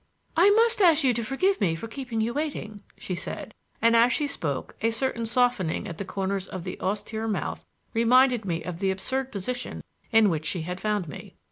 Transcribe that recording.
"I must ask you to forgive me for keeping you waiting," she said; and as she spoke a certain softening at the corners of the austere mouth reminded me of the absurd position in which she had found me.